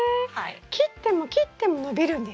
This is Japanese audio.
切っても切っても伸びるんですか？